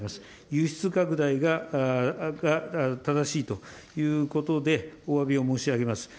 輸出拡大が正しいということで、おわびを申し上げます。